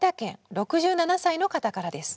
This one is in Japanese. ６７歳の方からです。